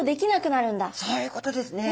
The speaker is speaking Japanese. そういうことですね。